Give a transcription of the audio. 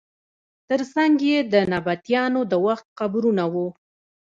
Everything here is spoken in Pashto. تر څنګ یې د نبطیانو د وخت قبرونه وو.